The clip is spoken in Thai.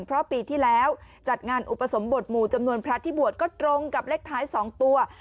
เพราะปีที่แล้วจัดงานอุปสมบทหมู่จำนวนพระที่บวชก็ตรงกับเลขท้าย๒ตัว